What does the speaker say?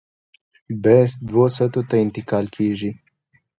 بحث دوو سطحو ته انتقال کېږي.